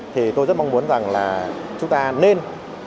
thì tôi rất mong muốn rằng là chúng ta nên